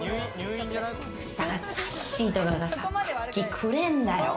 さっしーとかがさ、クッキーくれんだよ。